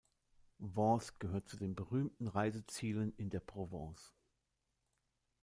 Vence gehört zu den berühmten Reisezielen in der Provence.